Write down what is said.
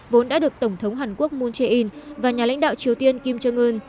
vốn đã được tổng thống hàn quốc moon jae in và nhà lãnh đạo triều tiên kim jong un